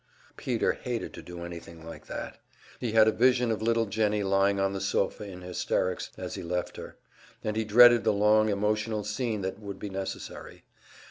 Peter hated to do anything like that. He had a vision of little Jennie lying on the sofa in hysterics as he had left her, and he dreaded the long emotional scene that would be necessary.